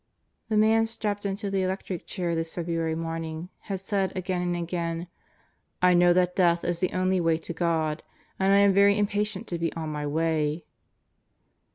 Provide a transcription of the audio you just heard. The man strapped into the electric chair this February morning had said again and again: "I know that death is the only way to God, and I am very impatient to be on my way."